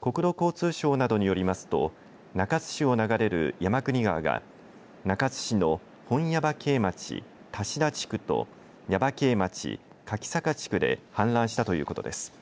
国土交通省などによりますと中津市を流れる山国川が中津市の本耶馬溪町多志田地区と耶馬渓町、柿坂地区で氾濫したということです。